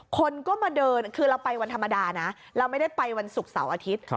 คนก็มาเดินคือเราไปวันธรรมดานะเราไม่ได้ไปวันศุกร์เสาร์อาทิตย์